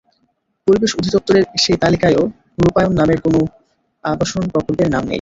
পরিবেশ অধিদপ্তরের সেই তালিকায়ও রূপায়ণ নামের কোনো আবাসন প্রকল্পের নাম নেই।